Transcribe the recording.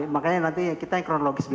makanya nanti kita yang kronologis dulu